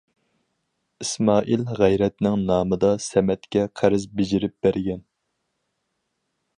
ئىسمائىل غەيرەتنىڭ نامىدا سەمەتكە قەرز بېجىرىپ بەرگەن.